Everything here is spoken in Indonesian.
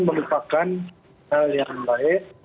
melupakan hal yang baik